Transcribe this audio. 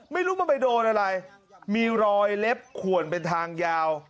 ไม่รู้มันไปโดนอะไรมีรอยเล็บขวนเป็นทางยาว